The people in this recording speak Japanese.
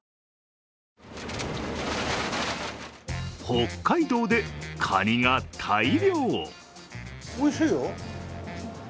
北海道で、かにが大漁。